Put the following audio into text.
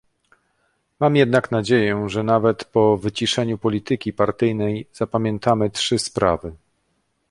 Mam jednak nadzieję, że nawet po wyciszeniu polityki partyjnej zapamiętamy trzy sprawy